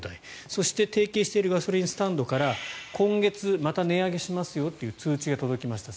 そして、提携しているガソリンスタンドから今月また値上げしますよという通知が届きました。